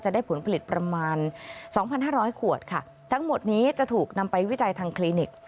จะได้ผลผลิตประมาณ๒๕๐๐ขวดค่ะทั้งหมดนี้จะถูกนำไปวิจัยทางคลินิก